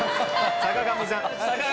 坂上さん！